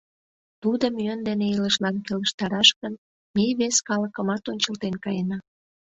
Тудым йӧн дене илышлан келыштараш гын, ме вес калыкымат ончылтен каена.